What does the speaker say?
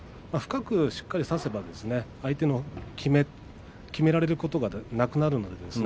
しっかり差せば相手にきめられることがなくなるんですね。